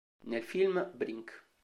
Nel film "Brink!